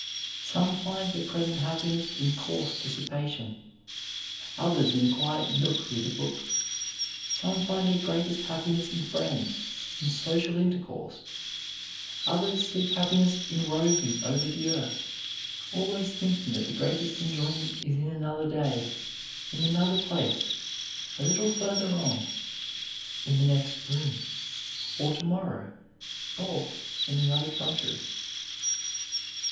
Some find their present happiness in coarse dissipation; others in a quiet nook with a book. Some find their greatest happiness in friends, in social intercourse; others seek happiness in roving over the earth, always thinking that the greatest enjoyment is in another day, in another place, a little further on, in the next room, or to morrow, or in another country.